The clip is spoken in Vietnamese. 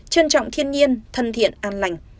trân trọng thiên nhiên thân thiện an lành